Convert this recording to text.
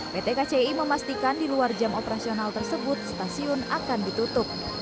pt kci memastikan di luar jam operasional tersebut stasiun akan ditutup